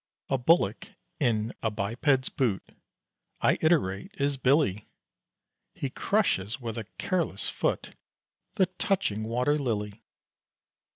A bullock in a biped's boot, I iterate, is Billy! He crushes with a careless foot The touching water lily.